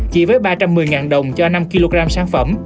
chỉ với ba trăm một mươi đồng cho năm kg sản phẩm